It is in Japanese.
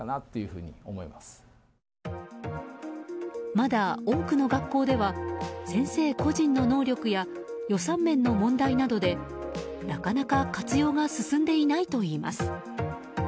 まだ多くの学校では先生個人の能力や、予算面の問題などでなかなか活用が進んでいないといいます。